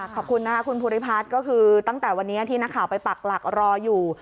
ขอบคุณนะคะคุณภูริพัฒน์ก็คือตั้งแต่วันนี้ที่นักข่าวไปปักหลักรออยู่